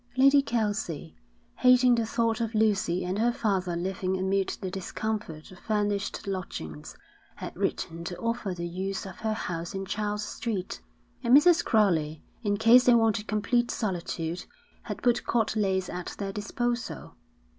Lady Kelsey, hating the thought of Lucy and her father living amid the discomfort of furnished lodgings, had written to offer the use of her house in Charles Street; and Mrs. Crowley, in case they wanted complete solitude, had put Court Leys at their disposal.